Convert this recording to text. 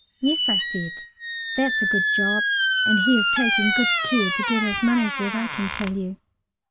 "Yes," I said. "That's a good job," and he is taking good care to get his money's worth, I can tell you.